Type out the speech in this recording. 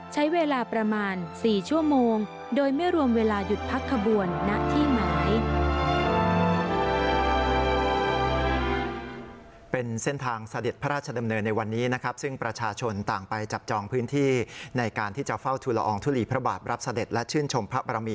ใช้เวลาประมาณ๔ชั่วโมงโดยไม่รวมเวลาหยุดพักขบวนณที่หมาย